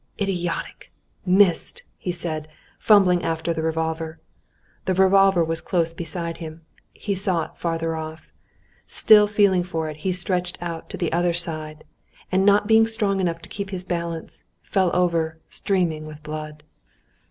"Idiotic! Missed!" he said, fumbling after the revolver. The revolver was close beside him—he sought further off. Still feeling for it, he stretched out to the other side, and not being strong enough to keep his balance, fell over, streaming with blood.